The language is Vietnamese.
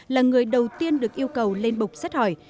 là người đầu tiên được yêu cầu lên bục xét hỏi